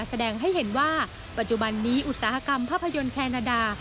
แสดงให้เห็นว่าปัจจุบันนี้อุตสาหกรรมภาพยนตร์แคนาดา